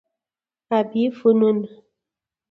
ابي فنون